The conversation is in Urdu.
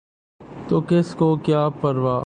تو کسی کو کیا پروا؟